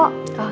oh gitu yaudah